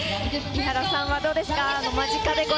伊原さん、どうですか？